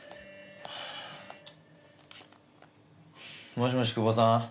もしもし窪さん？